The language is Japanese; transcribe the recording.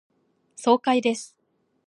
爽快です。